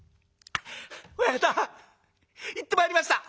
「親方行ってまいりました」。